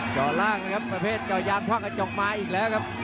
โอ้โหฝ่าล่างประเภทกาวยามท่ากับจกม้าอีกแล้วครับ